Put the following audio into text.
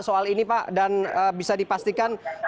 soal ini pak dan bisa dipastikan